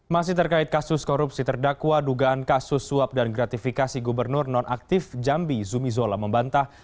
masih terkait kasus korupsi terdakwa dugaan kasus suap dan gratifikasi gubernur nonaktif jambi zumi zola membantah